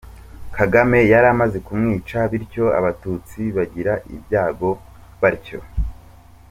Kagame yari amaze kumwica, bityo abatutsi bagira ibyago batyo!